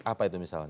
apa itu misalnya